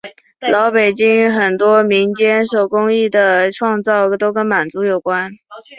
老北京很多民间手工艺的创造都跟满族有关。